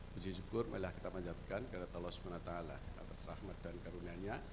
saya syukur mailah kita menjadikan kereta los menata allah atas rahmat dan karunianya